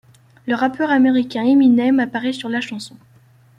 Le rappeur américain Eminem apparait sur la chanson.